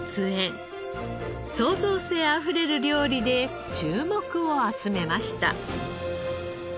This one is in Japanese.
創造性あふれる料理で注目を集めました。